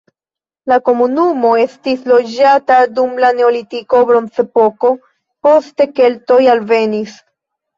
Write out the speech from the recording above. La komunumo estis loĝata dum la neolitiko, bronzepoko, poste keltoj alvenis.